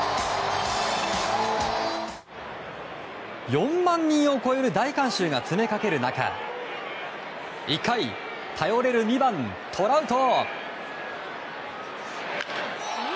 ４万人を超える大観衆が詰めかける中１回、頼れる２番、トラウト。